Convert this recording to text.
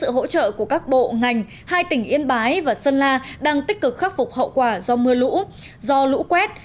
sự hỗ trợ của các bộ ngành hai tỉnh yên bái và sơn la đang tích cực khắc phục hậu quả do mưa lũ do lũ quét